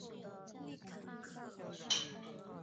圣玛利亚号的吨位和尺寸并没有留下任何历史记录。